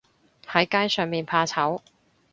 喺街上面怕醜